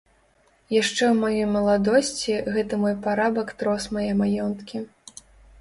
Яшчэ ў маёй маладосці гэты мой парабак трос мае маёнткі.